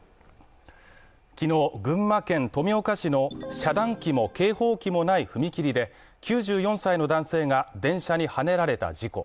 昨日群馬県富岡市の遮断機も警報機もない踏切で９４歳の男性が電車にはねられた事故。